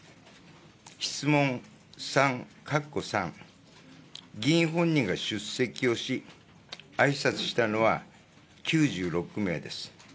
質問３かっこ３。議員本人が出席をし、あいさつしたのは９６名です。